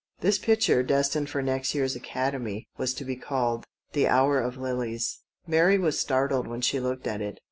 This pic ture, destined for next year's Academy, was to be called "The Hour of Lilies." Mary was startled when she looked at it.